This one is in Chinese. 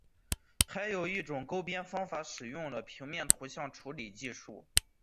还有一种勾边方法使用了平面图像处理技术。